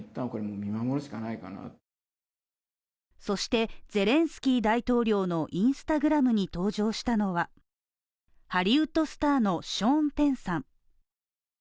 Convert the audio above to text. そして、ゼレンスキー大統領のＩｎｓｔａｇｒａｍに登場したのはハリウッドスターのショーン・ペンさん。